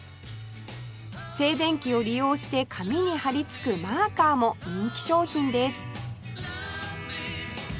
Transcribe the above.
静電気を利用して紙に張りつくマーカーも人気商品です